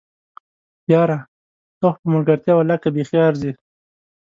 یاره! ته خو په ملګرتيا ولله که بیخي ارځې!